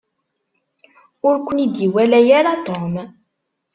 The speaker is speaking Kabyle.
Ur ken-id-iwala ara Tom.